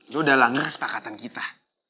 lo udah langgar sepakatan kita